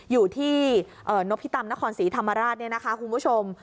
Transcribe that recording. อยู่ที่นพิตำนครศรีธรรมราชเนี่ยนะคะคุณผู้ชม